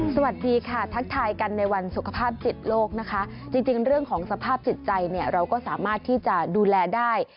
สวัสดีค่ะทักทายกันในวันสุขภาพจิตโลกนะคะจริงเรื่องของสภาพจิตใจเนี่ยเราก็สามารถที่จะดูแลได้